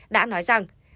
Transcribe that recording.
đã nói rằng